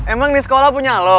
emang di sekolah punya loh